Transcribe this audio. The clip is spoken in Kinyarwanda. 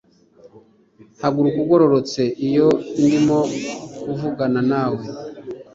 Haguruka ugororotse iyo ndimo kuvugana nawe